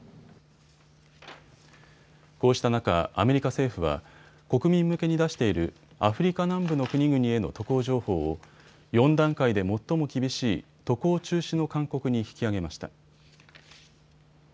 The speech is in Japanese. こうした中、アメリカ政府は国民向けに出しているアフリカ南部の国々への渡航情報を４段階で最も厳しい渡航中止の勧告に引き上げました。